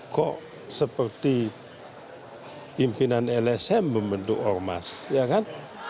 kok seperti pimpinan lsm membentuk ormas ya kan